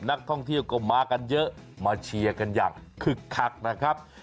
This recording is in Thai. นักท่องเที่ยวก็มากันเยอะมาเชียร์กันอย่างคึกคักนะครับ